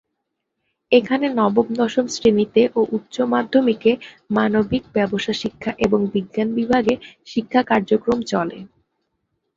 এখানে নবম-দশম শ্রেণিতে ও উচ্চ মাধ্যমিকে মানবিক, ব্যবসা শিক্ষা এবং বিজ্ঞান বিভাগে শিক্ষা কার্যক্রম চলে।